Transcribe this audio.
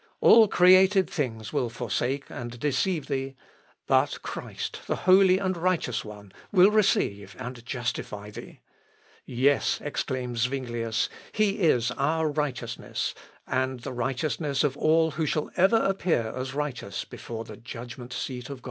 All created things will forsake and deceive thee, but Christ, the Holy and Righteous One, will receive and justify thee...." "Yes," exclaims Zuinglius, "He is our righteousness, and the righteousness of all who shall ever appear as righteous before the judgment seat of God!..."